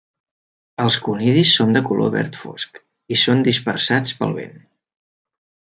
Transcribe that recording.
Els conidis són de color verd fosc i són dispersats pel vent.